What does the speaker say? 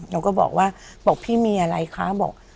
เราก็บอกว่าพี่มีอะไรคะ